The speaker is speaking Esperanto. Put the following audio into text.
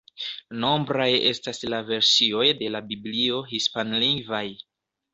Nombraj estas la versioj de la Biblio hispanlingvaj.